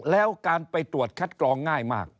แล้วการไปตรวจคัดกรองง่ายมาก